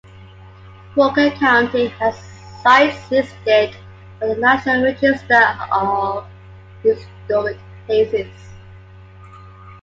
Walker County has sites listed on the National Register of Historic Places.